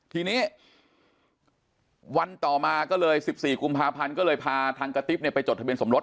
ทีนี้วันต่อมาก็เลย๑๔กุมภาพันธ์ก็เลยพาทางกระติ๊บไปจดทะเบียสมรส